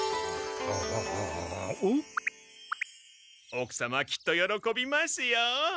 おくさまきっとよろこびますよ。